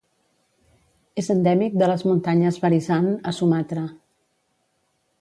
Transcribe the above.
És endèmic de les muntanyes Barisan, a Sumatra.